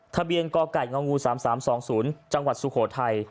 ทะเบียนก่อกัดเงางูสามสามสองศูนย์จังหวัดสุโขทัย